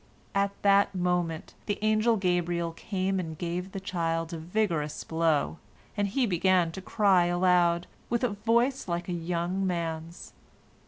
At that moment the angel Gabriel came and gave the child a vigorous blow, and he began to cry aloud, with a voice like a young man's.